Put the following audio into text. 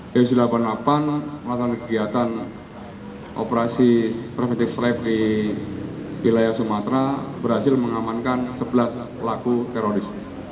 densus delapan puluh delapan melaksanakan kegiatan operasi permitive stripe di wilayah sumatera berhasil mengamankan sebelas pelaku teroris